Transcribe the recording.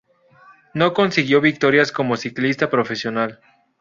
No consiguió victorias como ciclista profesional.